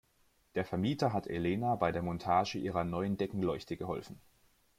Der Vermieter hat Elena bei der Montage ihrer neuen Deckenleuchte geholfen.